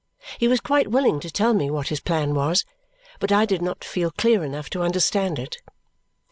He was quite willing to tell me what his plan was, but I did not feel clear enough to understand it.